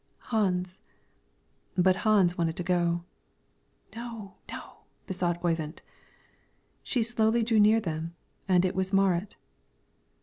"Hans." But Hans wanted to go. "No, no!" besought Oyvind. She slowly drew near them, and it was Marit.